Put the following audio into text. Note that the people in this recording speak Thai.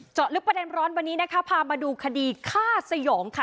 ลึกประเด็นร้อนวันนี้นะคะพามาดูคดีฆ่าสยองค่ะ